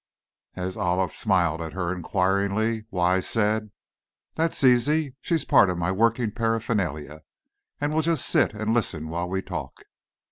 As Olive smiled at her inquiringly, Wise said: "That's Zizi. She's part of my working paraphernalia, and will just sit and listen while we talk."